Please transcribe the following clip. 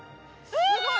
すごい！